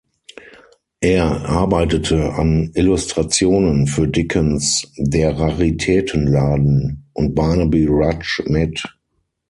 Er arbeitete an Illustrationen für Dickens „Der Raritätenladen“ und „Barnaby Rudge“ mit.